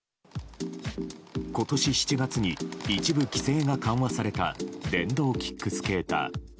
今年７月に一部規制が緩和された電動キックスケーター。